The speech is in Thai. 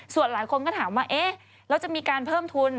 ส่วนหลายคนก็ถามว่าเอ๊ะแล้วจะมีการเพิ่มทุน